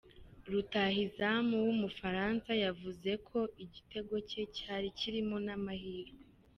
Rutahizamu w'Umufaransa yavuze ko ko igitego cye cyari kirimo n'amahirwe.